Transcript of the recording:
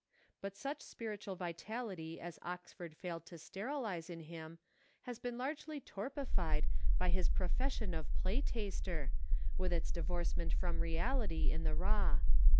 But such spiritual vitality as Oxford failed to sterilise in him has been largely torpified by his profession of play taster, with its divorcement from reality in the raw.